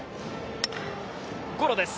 ゴロです。